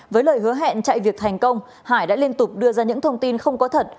với lời hứa hẹn chạy việc thành công hải đã liên tục đưa ra những thông tin không có thật